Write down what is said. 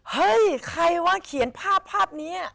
เฮ้ยใครวะเขียนภาพภาพนี้